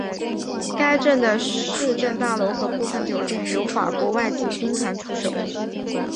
该镇的市政大楼和部分酒店有法国外籍兵团驻守。